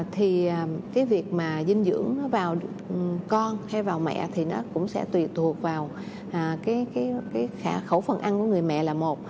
thì cái việc mà dinh dưỡng vào con hay vào mẹ thì nó cũng sẽ tùy thuộc vào cái khả khẩu phần ăn của người mẹ là một